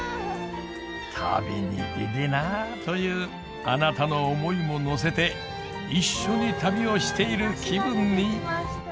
「旅に出てぇなあ」というあなたの思いも乗せて一緒に旅をしている気分に！